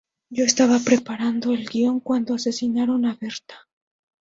Yo estaba preparando el guion cuando asesinaron a Berta.